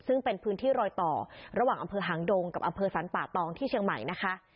ซึ่งเป็นพื้นที่รอยต่อระหว่างอำเภอหางดงกับอำเภอสรรป่าตองที่เชียงใหม่นะคะ